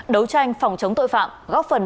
đấu tranh phòng chống tội phạm góp phần